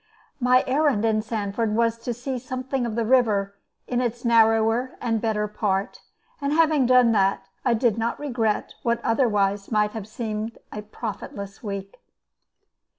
My errand in Sanford was to see something of the river in its narrower and better part; and having done that, I did not regret what otherwise might have seemed a profitless week.